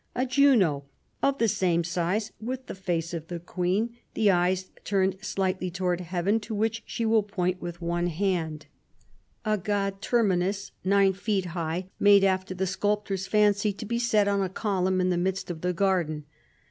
" A Juno of the same size, with the face of the Queen, the eyes slightly turned towards heaven, to which she will point with one hand. THE CARDINAL 135 "A god Terminus, nine feet high, made after the sculptor's fancy, to be set on a column in the midst of the garden.